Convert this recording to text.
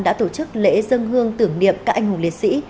đã tổ chức lễ dân hương tưởng niệm các anh hùng liệt sĩ